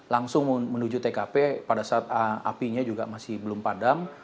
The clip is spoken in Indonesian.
langsung menuju tkp pada saat apinya juga masih belum padam